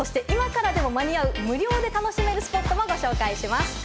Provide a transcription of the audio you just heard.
そして今からでも間に合う無料で楽しめるスポットをご紹介します。